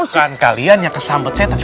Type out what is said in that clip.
bukan kalian yang kesambet setan